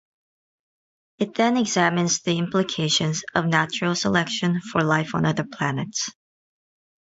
It then examines the implications of natural selection for life on other planets.